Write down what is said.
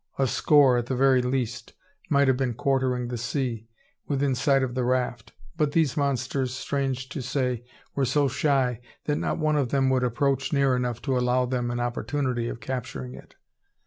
A score, at the very least, might have been quartering the sea, within sight of the raft; but these monsters, strange to say, were so shy, that not one of them would approach near enough to allow them an opportunity of capturing it!